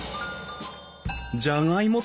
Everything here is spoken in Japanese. じゃがいも